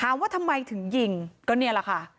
ว่าทำไมถึงยิงก็นี่แหละค่ะ